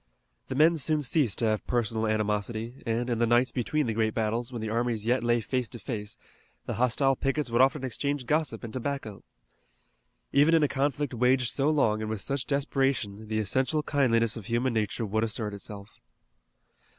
The men soon ceased to have personal animosity, and, in the nights between the great battles, when the armies yet lay face to face, the hostile pickets would often exchange gossip and tobacco. Even in a conflict waged so long and with such desperation the essential kindliness of human nature would assert itself.